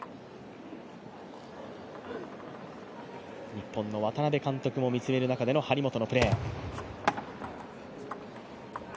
日本の渡辺監督も見つめる中での張本のプレー。